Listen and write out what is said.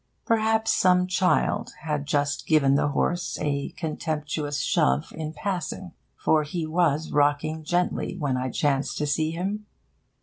Perhaps some child had just given the horse a contemptuous shove in passing. For he was rocking gently when I chanced to see him.